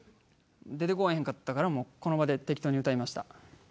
出てこおへんかったからもうこの場で適当に歌いました。